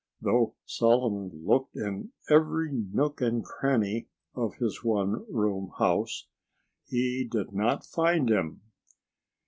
Though Solomon looked in every nook and cranny of his one room house, he did not find him.